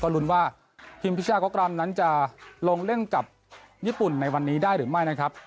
ลุ้นว่าทีมพิชากรัมนั้นจะลงเล่นกับญี่ปุ่นในวันนี้ได้หรือไม่นะครับ